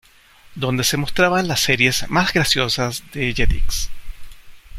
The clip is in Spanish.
Donde se mostraban las series más "graciosas" de Jetix.